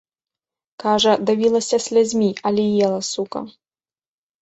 Кажа, давілася слязьмі, але ела, сука.